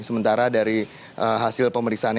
sementara dari hasil pemeriksaan